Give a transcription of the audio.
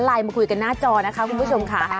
ไลน์มาคุยกันหน้าจอคุณผู้ชมค่ะ